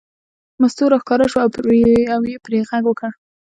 مستو راښکاره شوه او یې پرې غږ وکړ.